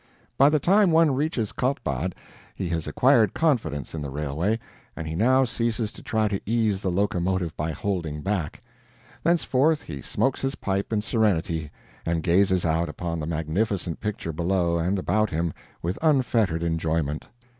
By the time one reaches Kaltbad, he has acquired confidence in the railway, and he now ceases to try to ease the locomotive by holding back. Thenceforth he smokes his pipe in serenity, and gazes out upon the magnificent picture below and about him with unfettered enjoyment.